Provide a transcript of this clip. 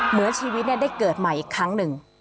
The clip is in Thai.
เหมือนชีวิตได้เกิดใหม่อีกครั้งหนึ่ง